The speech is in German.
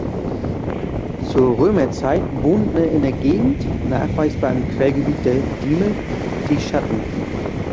Zur Römerzeit wohnten in der Gegend, nachweisbar im Quellgebiet der Diemel, die Chatten.